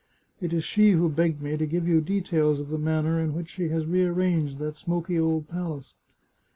It is she who begged me to give you details of the manner in which she has re arranged that smoky old palace.'